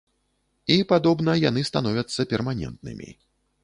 І, падобна, яны становяцца перманентнымі.